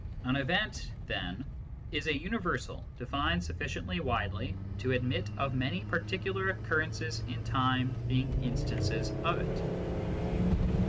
An " event," then, is a universal defined sufficiently widely to admit of many particular occurrences in time beingjnstaiic.es of it.